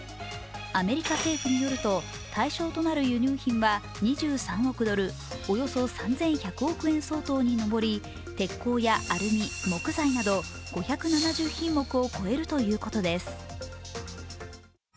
アメリカ政府によると、対象となる輸入品は２３億ドル、およそ３１００億円相当に上り鉄鋼やアルミ・木材など５７０品目を超えるということです。